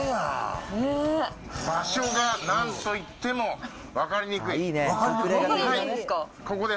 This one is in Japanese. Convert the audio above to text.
場所がなんといっても分かりにくい。